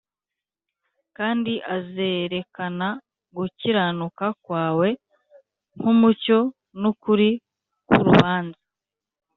Kandi azerekana gukiranuka kwawe nk’umucyo, n’ukuri k’urubanza